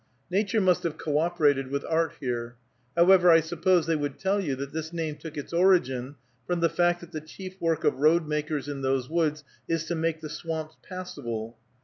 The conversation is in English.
Nature must have cooperated with art here. However, I suppose they would tell you that this name took its origin from the fact that the chief work of roadmakers in those woods is to make the swamps passable.